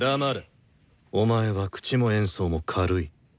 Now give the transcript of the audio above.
お前は口も演奏も軽い。